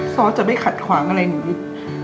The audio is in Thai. ซอสจะไม่ขัดขวางอะไรหนูอีก